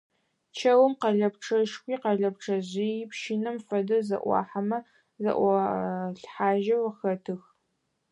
Чэум къэлэпчъэшхуи, къэлэпчъэжъыйи пщынэм фэдэу зэӀуахымэ зэӀуалъхьажьэу хэтых.